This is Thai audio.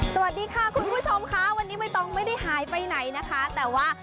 สวัสดีค่ะคุณผู้ชมค่ะวันนี้ไม่ต้องไม่ได้หายไปไหนนะคะแต่ว่า